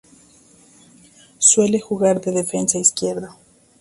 Suele jugar de defensa izquierdo.